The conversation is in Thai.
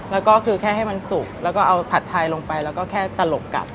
แล้วก็คือแค่ให้มันสุกแล้วก็เอาผัดไทยลงไปแล้วก็แค่ตลกกลับ